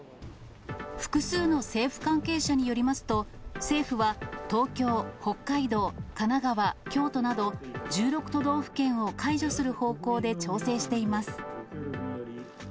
複数の政府関係者によりますと、政府は、東京、北海道、神奈川、京都など１６都道府県を解除する方向で調整しています。